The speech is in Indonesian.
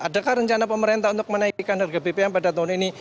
adakah rencana pemerintah untuk menaikkan harga bbm pada tahun ini